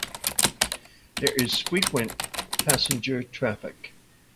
There is frequent passenger traffic.